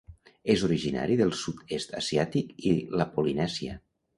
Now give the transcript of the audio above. És originari del sud-est asiàtic i la Polinèsia.